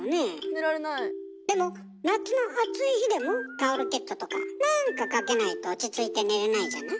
でも夏の暑い日でもタオルケットとかなんかかけないと落ち着いて寝れないじゃない？